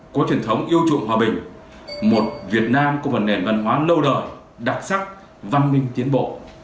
có truyền thống yêu trụng hòa bình một việt nam có một nền văn hóa lâu đời đặc sắc văn minh tiến bộ